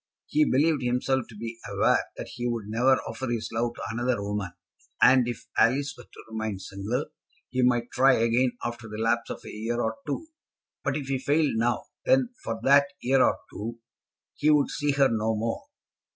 He believed himself to be aware that he would never offer his love to another woman; and if Alice were to remain single, he might try again, after the lapse of a year or two. But if he failed now, then, for that year or two, he would see her no more.